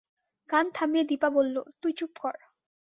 গান থামিয়ে দিপা বলল, তুই চুপ কর।